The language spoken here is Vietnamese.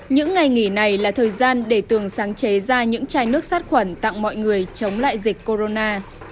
những ngày nghỉ này là thời gian để tường sáng chế ra những chai nước sát khuẩn tặng mọi người chống lại dịch corona